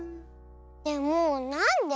でもなんで？